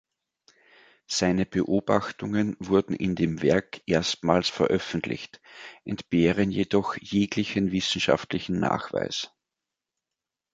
Seine Beobachtungen wurden in dem Werk erstmals veröffentlicht, entbehren jedoch jeglichen wissenschaftlichen Nachweis.